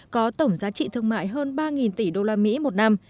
có tổng giá trị thương mại hơn ba tỷ đô la mỹ một năm